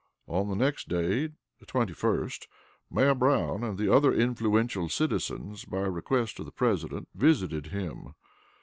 On the next day, the 21st, Mayor Brown and other influential citizens, by request of the President, visited him.